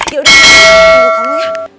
yaudah tunggu kamu ya